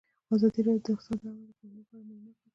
ازادي راډیو د اقتصاد د اړونده قوانینو په اړه معلومات ورکړي.